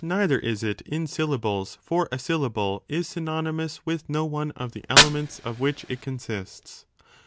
with the other is it in syllables, for a syllable is synonymous with parts no one of the elements of which it consists.